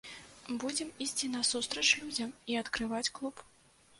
Будзем ісці насустрач людзям і адкрываць клуб.